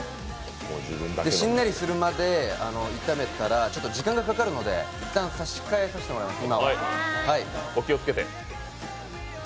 しんなりするまで炒めたら時間がかかるのでいったん差し替えさせてもらいます、今は。